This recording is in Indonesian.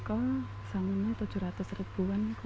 kalau berubat di rsu dipro dt nikol